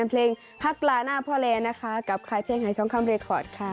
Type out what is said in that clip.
พักลาหน้าพ่อเลนนะคะกับคลายเพลงให้ช่องคำรีคอร์ดค่ะ